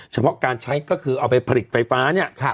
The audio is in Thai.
เฉพาะการใช้ก็คือเอาไปผลิตไฟฟ้าเนี่ย